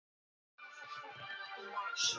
Mchama ago hanyeli, huenda akauya papo